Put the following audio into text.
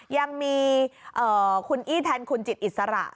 ยังมีคุณอี้แทนคุณจิตอิสระ